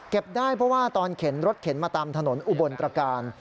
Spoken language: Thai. ได้เพราะว่าตอนเข็นรถเข็นมาตามถนนอุบลตรการ